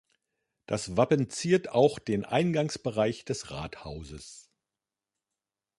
Das Wappen ziert auch den Eingangsbereich des Rathauses.